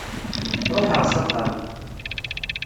Ruḥeɣ s axxam.